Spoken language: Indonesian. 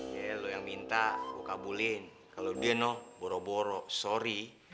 ya lo yang minta lo kabulin kalau dia noh boro boro sorry